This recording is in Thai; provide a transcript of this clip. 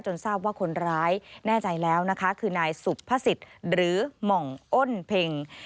จนทราบว่าคนร้ายแน่ใจแล้วคือนายสุบพระศิษฐ์หรือหม่องอ้นเพ็ง